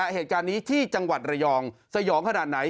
เหตุการณ์นี้ที่จังหวัดระยองสยองขนาดไหน